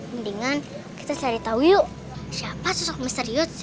mendingan kita cari tahu yuk siapa sosok mr youth